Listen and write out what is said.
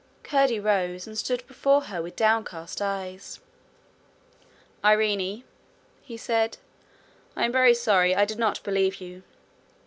Curdie rose and stood before her with downcast eyes. 'Irene,' he said, 'I am very sorry I did not believe you.'